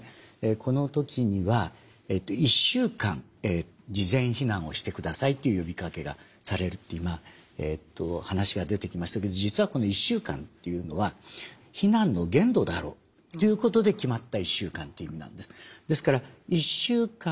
この時には１週間事前避難をしてくださいという呼びかけがされるという話が出てきましたけど実はこの１週間というのは避難の限度だろうということで決まった１週間という意味なんです。